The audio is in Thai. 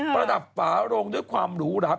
ประดับฝารกดึงความหรูหรับ